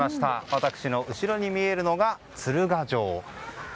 私の後ろに見えるのが鶴ヶ城。